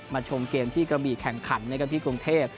มาชมเกมที่กระบีแข่งขันที่กรงเทพฯ